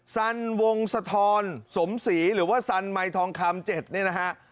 สันวงศธรสมศรีหรือว่าสันมัยทองคำ๗